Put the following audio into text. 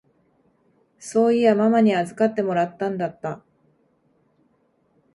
そういやママに預かってもらってたんだった。